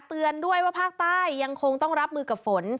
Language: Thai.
เตือนด้วยว่าภาคใต้ยังคงต้องรับมือกับฝน